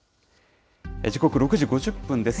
時刻、６時５０分です。